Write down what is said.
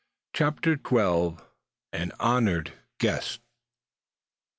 CHAPTER XII. AN HONORED GUEST.